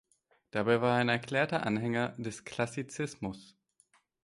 Dabei war er ein erklärter Anhänger des Klassizismus.